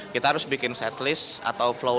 kita harus bikin set list atau flow